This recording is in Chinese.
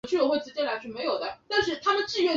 叶子循于顺治四年中式丁亥科进士。